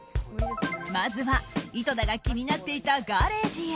まずは、井戸田が気になっていたガレージへ。